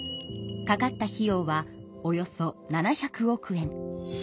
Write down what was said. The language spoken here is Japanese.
かかった費用はおよそ７００億円。